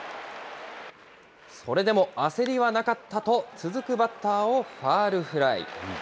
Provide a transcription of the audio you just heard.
それでも焦りはなかったと、続くバッターをファウルフライ。